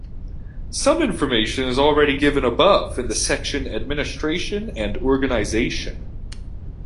Some information is already given above, in the section "Administration and organization".